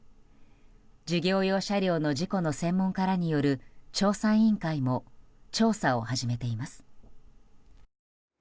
事業用車両の事故の専門家らによる調査委員会も調査を始めています。